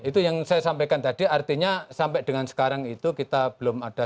itu yang saya sampaikan tadi artinya sampai dengan sekarang itu kita belum ada